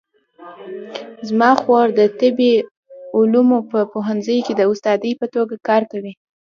زما خور د طبي علومو په پوهنځي کې د استادې په توګه کار کوي